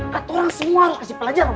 kata orang semua harus kasih pelajaran